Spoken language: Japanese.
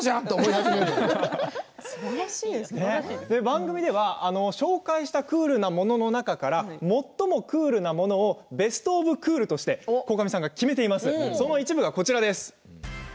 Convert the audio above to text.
かゆくなかった人もかゆかった番組では紹介したクールなものの中から最もクールなものをベスト・オブ・クールとして鴻上さんが決めています。